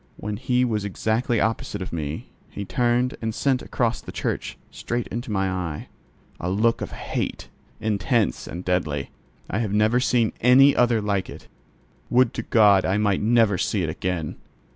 When he was exactly opposite to me, he turned and sent across the church straight into my eyes, a look of hate, intense and deadly: I have never seen any other like it; would to God I might never see it again!